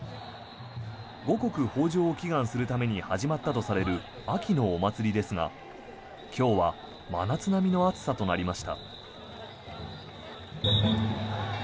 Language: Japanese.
五穀豊穣を祈願するために始まったとされる秋のお祭りですが今日は真夏並みの暑さとなりました。